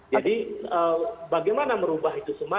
jadi bagaimana perlu mengubah itu semua